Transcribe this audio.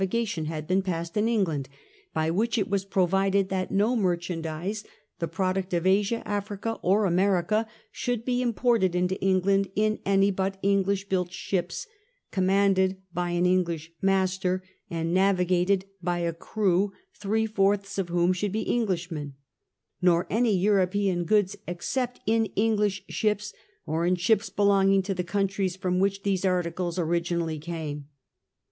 gation had been passed in England, by which it was provided that no merchandise, the produce of Asia, Africa, or America, should be imported into England in any but English built ships, commanded by an Epglish Af.H. 1 1 1 4 The Dutch Republic . 1654 * master, and navigated by a crew three fourths of whom should be Englishmen ; nor any European goods except in English ships or in ships belonging to the countries from which these articles originally came.